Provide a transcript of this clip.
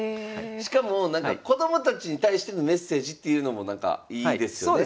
しかもこどもたちに対してのメッセージっていうのもなんかいいですよね。